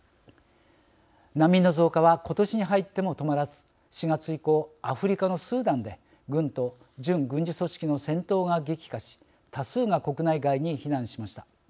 難民の増加は今年に入っても止まらず４月以降アフリカのスーダンで軍と準軍事組織の戦闘が激化し多数が国内外に避難しました。